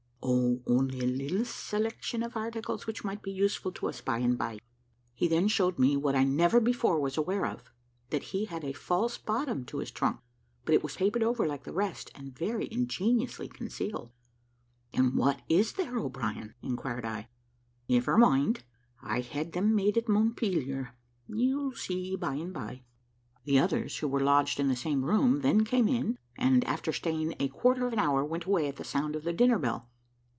"Oh, only a little selection of articles, which might be useful to us by and by." He then showed me what I never before was aware of; that he had a false bottom to his trunk; but it was papered over like the rest, and very ingeniously concealed. "And what is there, O'Brien?" inquired I. "Never mind; I had them made at Montpelier. You'll see by and by." The others, who were lodged in the same room, then came in, and, after staying a quarter of an hour, went away at the sound of the dinner bell.